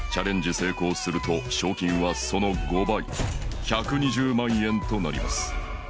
成功すると賞金はその５倍１２０万円となります